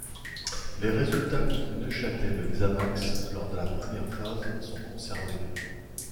Les résultats contre Neuchâtel Xamax lors de la première phase sont conservés.